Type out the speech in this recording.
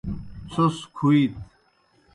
څھوْس کُھویت۔